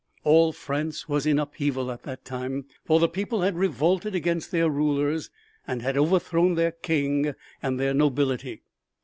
All France was in upheaval at that time, for the people had revolted against their rulers and had overthrown their king and their nobility.